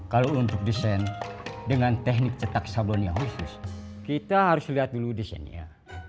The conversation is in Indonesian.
kalau untuk desain dengan teknik cetak sabun yang khusus kita harus lihat dulu desainnya